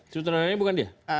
sutradaranya bukan dia